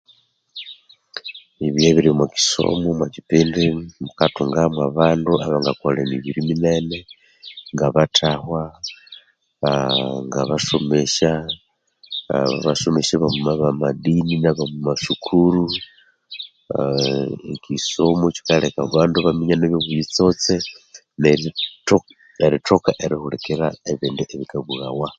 Ebinywe ebiri omukisomo omukipindi mukathunga mwabandu abakakolha mibiriminene ngabathahwa, ngabasomesya abasomesya abasomesya abamadini nabamasukuru e kisomo kikaleka abandu ibaminya ebyobuyitsotse, nerithoka eriminya ebindi kubikabughawa